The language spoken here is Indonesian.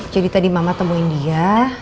jadi tadi mama temuin dia